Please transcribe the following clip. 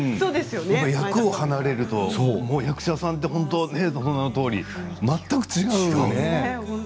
役を離れると役者さんって本当に全く違うよね。